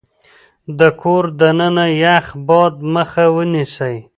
د کور دننه يخ باد مخه ونيسئ.